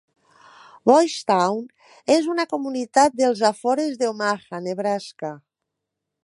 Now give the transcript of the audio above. Boys Town és una comunitat dels afores d'Omaha, Nebraska.